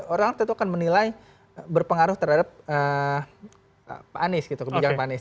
orang tentu akan menilai berpengaruh terhadap pak anies gitu kebijakan pak anies